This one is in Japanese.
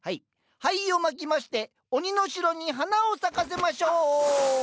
灰をまきまして鬼の城に花を咲かせましょ！